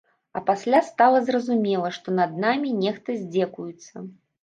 А пасля стала зразумела, што над намі нехта здзекуецца.